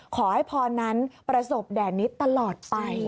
ขอให้พรนั้นประสบแดดนี้ตลอดไป